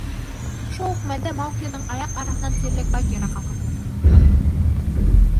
Шул уҡ мәлдә Мауглиҙың аяҡ араһынан тиерлек Багира ҡалҡынды.